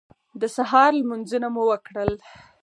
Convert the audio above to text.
د سهار لمونځونه مو وکړل.